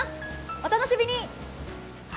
お楽しみに。